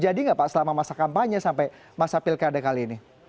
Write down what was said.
nggak pak selama masa kampanye sampai masa pilkada kali ini